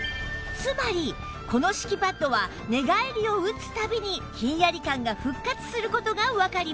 つまりこの敷きパッドは寝返りをうつ度にひんやり感が復活する事がわかります